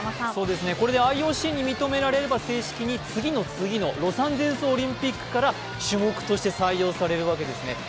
これでＩＯＣに認められれば正式に、次の次、ロサンゼルスオリンピックから種目として採用されるわけですね。